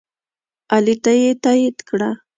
علي ته یې تایید کړه.